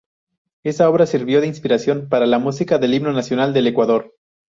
Esa obra sirvió de inspiración para la música del himno nacional del Ecuador.